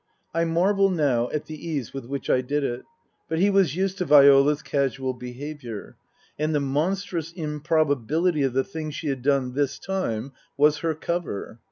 I marvel now at the ease with which I did it. But he was used to Viola's casual behaviour ; and the monstrous improbability of the thing she had done this time was her cover.